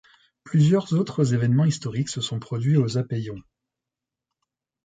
Plusieurs autres événements historiques se sont produits au Zappéion.